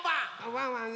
ワンワン